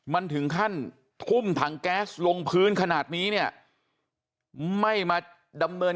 มันถึงขั้นทุ่มถังแก๊สลงพื้นขนาดนี้เนี่ยไม่มาดำเนิน